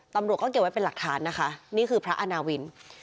ตำรวจก็เก็บไว้เป็นหลักฐานนะคะนี่คือพระอาณาวิน